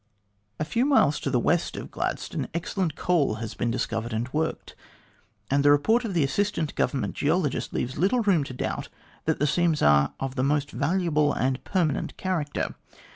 A few miles to the west of Gladstone excellent coal has been discovered and worked, and the report of the Assistant Government Geologist leaves little room to doubt that the seams are of the most valuable and permanent character.